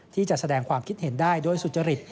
ที่จะแสดงความคิดเห็นได้โดยสุจริต